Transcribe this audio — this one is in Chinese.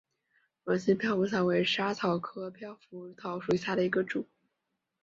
卵形飘拂草为莎草科飘拂草属下的一个种。